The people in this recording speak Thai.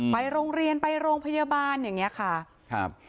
ไปโรงเรียนไปโรงพยาบาลอย่างเงี้ยค่ะครับ